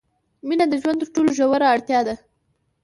مینه د ژوند تر ټولو ژوره اړتیا ده.